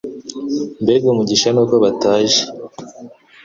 Mbega umugisha nuko bataje.